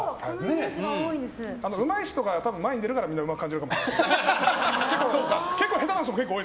うまい人が前に出るからみんなうまく感じるかもしれない。